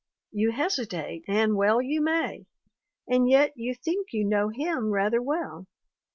You hesitate and well you may; and yet you think you know him rather well!